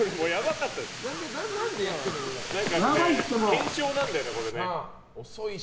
検証なんだよね、これ。